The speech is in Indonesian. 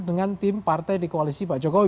dengan tim partai di koalisi pak jokowi